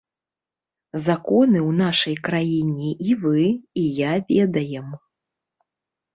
Законы ў нашай краіне і вы, і я ведаем.